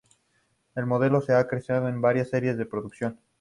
El modelo se ha creado en varias series de producción.